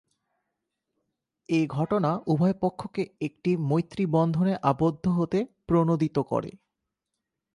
এ ঘটনা উভয় পক্ষকে একটি মৈত্রীবন্ধনে আবদ্ধ হতে প্রণোদিত করে।